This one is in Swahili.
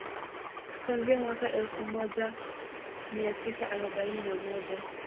kuanzia mwaka mwaka elfu moja mia tisa arobaini na moja